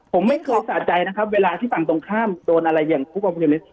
ผมไม่เคยสะใจนะครับเวลาที่ฝั่งตรงข้ามโดนอะไรอย่างผู้ประพฤษ